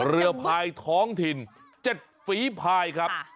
เรือพายท้องถิ่น๗ฝีพายครับ